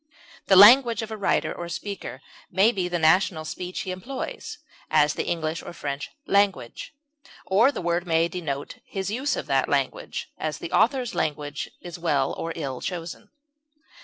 The language of a writer or speaker may be the national speech he employs; as, the English or French language; or the word may denote his use of that language; as, the author's language is well (or ill) chosen.